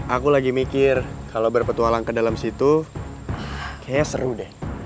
aku lagi mikir kalau berpetualang ke dalam situ kayaknya seru deh